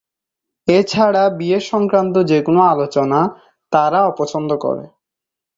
এছাড়া, বিয়ে সংক্রান্ত যেকোনো আলোচনা তারা অপছন্দ করে।